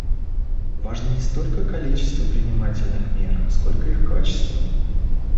Важно не столько количество принимаемых мер, сколько их качество.